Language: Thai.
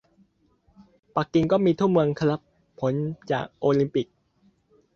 ปักกิ่งก็มีทั่วเมืองครับ ผลจากโอลิมปิก